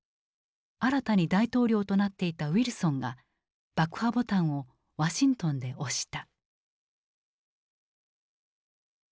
新たに大統領となっていたウィルソンが爆破ボタンをワシントンで押した。